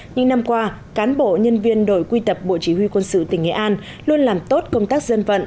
những năm qua cán bộ nhân viên đội quy tập bộ chỉ huy quân sự tỉnh nghệ an luôn làm tốt công tác dân vận